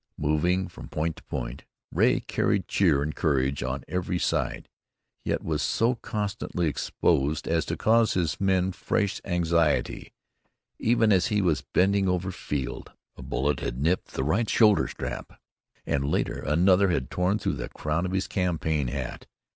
Moving from point to point, Ray carried cheer and courage on every side, yet was so constantly exposed as to cause his men fresh anxiety. Even as he was bending over Field a bullet had nipped the right shoulderstrap, and later another had torn through the crown of his campaign hat.